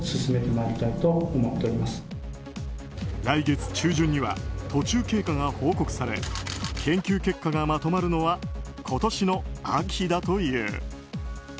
来月中旬には途中経過が報告され研究結果がまとまるのは今年の秋だという。